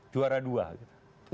juara dua gitu